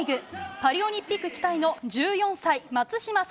パリオリンピック期待の１４歳松島輝